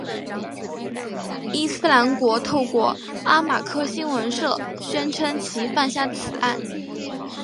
伊斯兰国透过阿马克新闻社宣称其犯下此案。